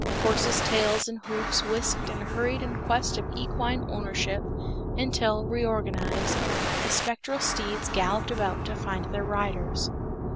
Horses' tails and hoofs whisked and hurried in quest of equine ownership until, reorganized, the spectral steeds galloped about to find their riders.